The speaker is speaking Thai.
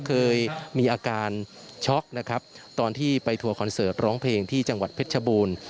เคยมีอาการช็อกนะครับตอนที่ไปทัวร์คอนเสิร์ตร้องเพลงที่จังหวัดเพชรชบูรณ์